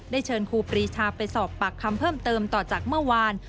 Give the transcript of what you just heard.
เชิญครูปรีชาไปสอบปากคำเพิ่มเติมต่อจากเมื่อวาน